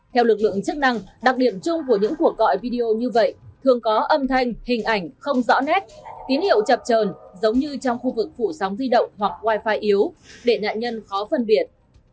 theo lực lượng chức năng đặc điểm chung của những cuộc gọi video như vậy thường có âm thanh hình ảnh không rõ nét tín hiệu chập trờn giống như trong khu vực phủ sóng di động hoặc wi fi yếu để nạn nhân khó phân biệt